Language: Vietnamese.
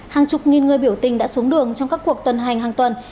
hàng chục nghìn người biểu tình đã xuống đường trong các cuộc tuần hành hàng tuần